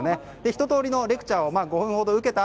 ひと通りのレクチャーを５分ほど受けた